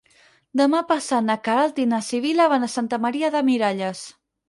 Demà passat na Queralt i na Sibil·la van a Santa Maria de Miralles.